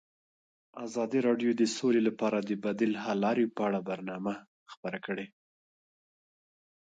ازادي راډیو د سوله لپاره د بدیل حل لارې په اړه برنامه خپاره کړې.